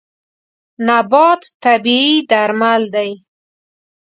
نبات طبیعي درمل دی.